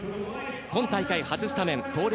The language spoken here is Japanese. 今大会初スタメン東レ